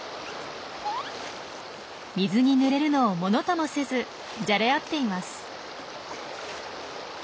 水にぬれるのをものともせずじゃれ合っています。